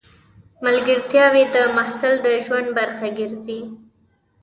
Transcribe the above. ملګرتیاوې د محصل د ژوند برخه ګرځي.